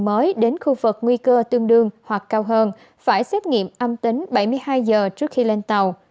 mới đến khu vực nguy cơ tương đương hoặc cao hơn phải xét nghiệm âm tính bảy mươi hai giờ trước khi lên tàu